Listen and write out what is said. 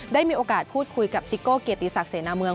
ได้มีโอกาสพูดคุยกับซิโก้เกียรติศักดิเสนาเมือง